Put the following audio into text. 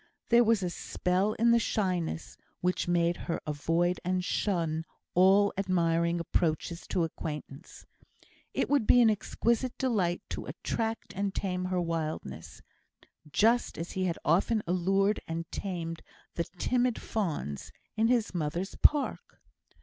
There was a spell in the shyness, which made her avoid and shun all admiring approaches to acquaintance. It would be an exquisite delight to attract and tame her wildness, just as he had often allured and tamed the timid fawns in his mother's park.